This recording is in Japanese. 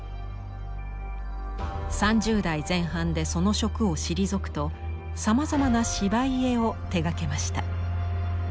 ３０代前半でその職を退くとさまざまな芝居絵を手がけました。